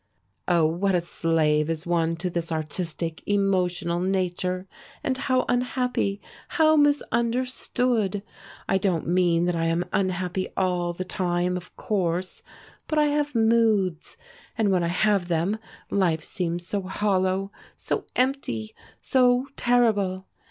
Oh, what a slave is one to this artistic, emotional nature, and how unhappy, how misunderstood! I don't mean that I am unhappy all the time, of course, but I have Moods. And when I have them life seems so hollow, so empty, so terrible!